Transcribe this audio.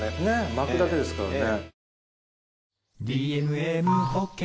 巻くだけですからね。